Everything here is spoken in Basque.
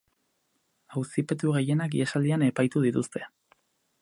Auzipetu gehienak ihesaldian epaitu dituzte.